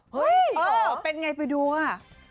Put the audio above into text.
เฮ้ยอ๋อเป็นไงไปดูว่า